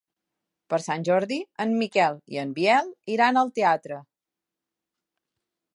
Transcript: Per Sant Jordi en Miquel i en Biel iran al teatre.